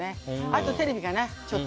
あと、テレビかな。